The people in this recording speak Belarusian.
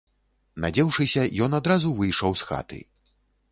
Надзеўшыся, ён адразу выйшаў з хаты.